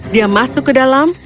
dia masuk ke dalam